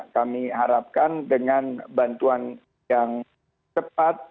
kami harapkan dengan bantuan yang cepat